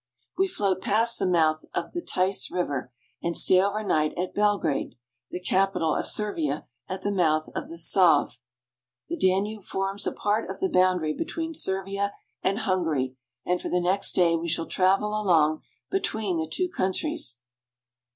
We float past the mouth of the Theiss River and stay over night at Belgrade, the capital of Servia, at the mouth of the Save. The Danube forms a part of the boundary between Servia and Hungary, and for the next day we shall travel along between the two countries.